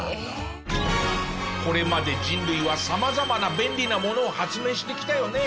これまで人類は様々な便利なものを発明してきたよね。